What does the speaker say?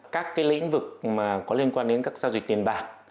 các cái lĩnh vực mà có liên quan đến các giao dịch tiền bạc